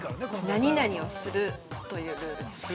何々をしないというルールですか。